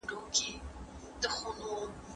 ښه فکر لار روښانوي